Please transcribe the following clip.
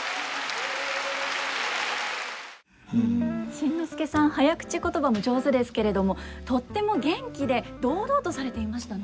新之助さん早口言葉も上手ですけれどもとっても元気で堂々とされていましたね。